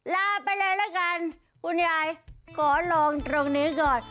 ลาไปเลยละกันคุณยายขอลองตรงนี้ก่อน